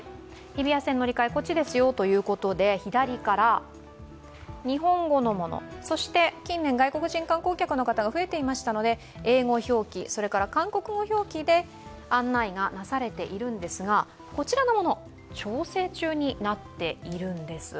日比谷線乗り換えこっちですよということで日本語のもの、近年、外国人観光客の方が増えていましたので英語表記、それから韓国語表記で案内がなされているんですがこちらのもの、調整中になっているんです。